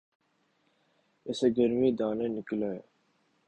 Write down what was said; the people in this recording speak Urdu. اسے گرمی دانے نکل آئے